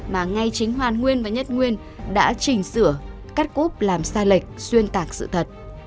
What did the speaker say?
mà ngay chính hoàn nguyên và nhất nguyên đã chỉnh sửa cắt cúp làm sai lệch xuyên tạc sự thật